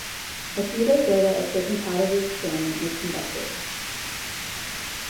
A few days later a second part of the experiment was conducted.